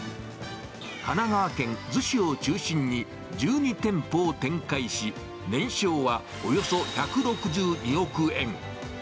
神奈川県逗子を中心に、１２店舗を展開し、年商はおよそ１６２億円。